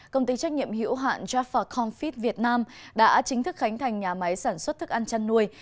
công ty trách nhiệm hữu hạn jaffarmphit việt nam đã chính thức khánh thành nhà máy sản xuất thức ăn chăn nuôi